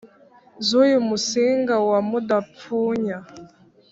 z’uyu musinga wa mudapfunya